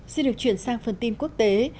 xin được chuyển sang phần tin quốc tế